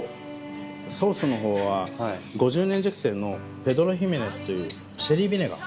ソースの方は５０年熟成のペドロヒメネスというシェリービネガー。